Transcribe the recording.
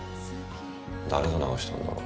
誰が流したんだろ？